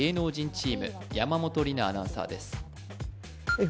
チーム山本里菜アナウンサーです